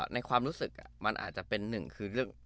ในความรู้สึกมันอาจจะเป็นหนึ่งคือเรื่อง